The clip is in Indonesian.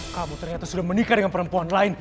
kamu ternyata sudah menikah dengan perempuan lain